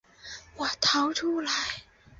我逃出来